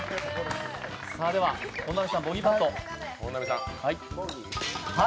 本並さんボギーパット。